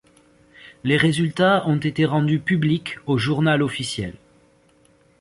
Les résultats ont été rendus publics au journal officiel.